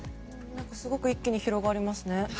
すごく一気に広がりますね。